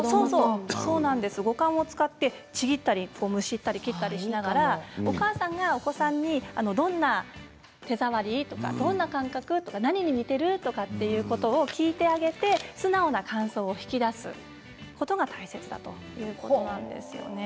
五感を使ってちぎったりむしったり、切ったりしながらお母さんがお子さんにどんな手触り？ってどんな感覚？と何に似ている？ということを聞いてあげて素直な感想を引き出すことが大切だということです。